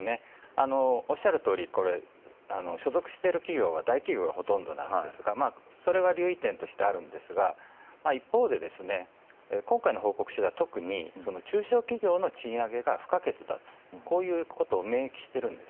おっしゃるとおりこれ、所属している企業は大企業がほとんどなんですがそれは留意点としてはあるんですが一方で、今回の報告書では特に中小企業の賃上げが不可欠だということを明記しているんです。